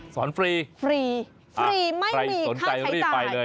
สอนฟรีฟรีฟรีไม่มีค่าใช้จ่าย